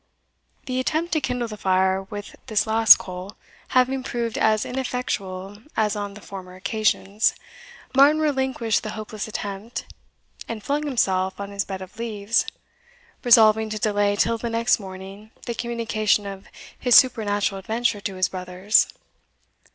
The attempt to kindle the fire with this last coal having proved as ineffectual as on the former occasions, Martin relinquished the hopeless attempt, and flung himself on his bed of leaves, resolving to delay till the next morning the communication of his supernatural adventure to his brothers.